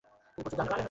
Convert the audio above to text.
তিনি প্রচুর দান করতেন।